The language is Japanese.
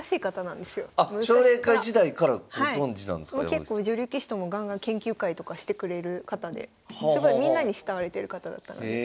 結構女流棋士ともガンガン研究会とかしてくれる方ですごいみんなに慕われてる方だったので。